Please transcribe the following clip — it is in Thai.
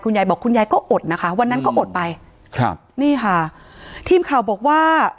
ยายบอกคุณยายก็อดนะคะวันนั้นก็อดไปครับนี่ค่ะทีมข่าวบอกว่า